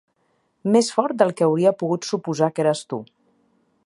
Més fort del que hauria pogut suposar que eres tu.